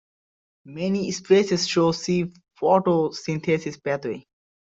Many species show C-photosynthesis pathway.